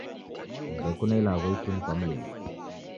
Ndekune ilagho itini kwa Mlungu.